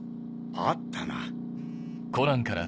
あったな。